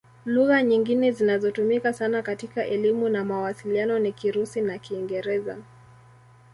Lugha nyingine zinazotumika sana katika elimu na mawasiliano ni Kirusi na Kiingereza.